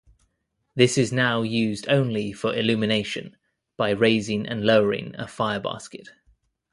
This is now used only for illumination by raising and lowering a fire-basket.